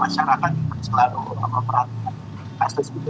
masyarakat harus selalu memperhatikan kasus ini